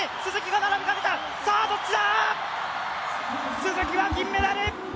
鈴木は銀メダル！